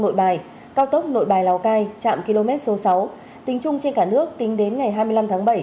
nội bài cao tốc nội bài lào cai trạm km số sáu tính chung trên cả nước tính đến ngày hai mươi năm tháng bảy